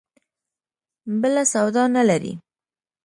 بله سودا نه لري.